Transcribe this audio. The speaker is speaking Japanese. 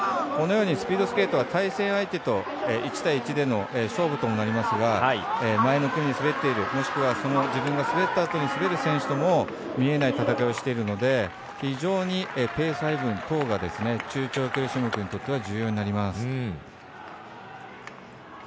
このようにスピードスケートは対戦相手と１対１での勝負となりますが、前の国が滑っているもしくは自分が滑ったあとに滑る選手とも見えない戦いをしているので非常にペース配分等が中長距離種目にとっては重要になります。